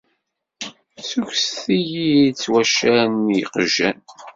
Ssukkes-iyi-d seg waccaren n yiqjan.